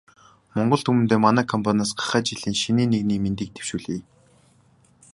Монгол түмэндээ манай компаниас гахай жилийн шинийн нэгний мэндийг дэвшүүлье.